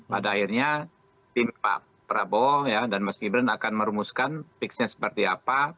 pada akhirnya tim pak prabowo dan mas gibran akan merumuskan fixnya seperti apa